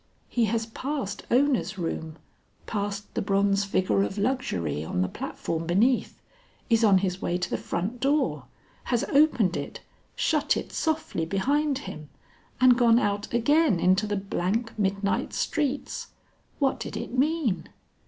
he has passed Ona's room, passed the bronze figure of Luxury on the platform beneath, is on his way to the front door, has opened it, shut it softly behind him and gone out again into the blank midnight streets. What did it mean?